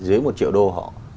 dưới một triệu đô họ